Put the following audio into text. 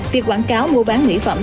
việc quảng cáo mua bán mỹ phẩm